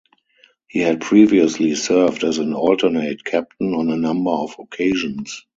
He had previously served as an alternate captain on a number of occasions.